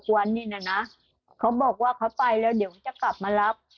๕๖วันนี้เนี่ยนะเค้าบอกว่าเค้าไปแล้วเดี๋ยวจะกลับมารับ